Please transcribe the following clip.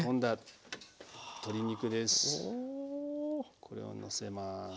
これをのせます。